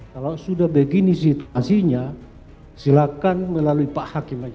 kalau sudah begini situasinya silakan melalui pak hakim aja